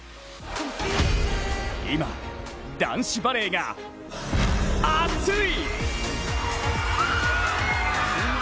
今、男子バレーが熱い！